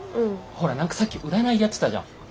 ほら何かさっき占いやってたじゃん？